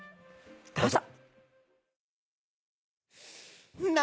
どうぞ。